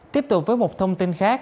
tiếp tục với một thông tin khác